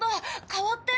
代わって。